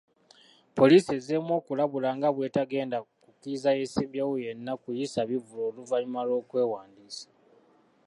Poliisi ezzeemu okulabula nga bwe batagenda kukkiriza yeesimbyewo yenna kuyisa bivvulu oluvannyuma lw'okwewandiisa